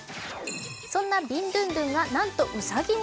そんなビンドゥンドゥンがなんとうさぎに。